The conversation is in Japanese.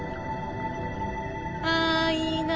あいいな。